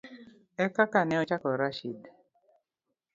ekaka ne ochako Rashid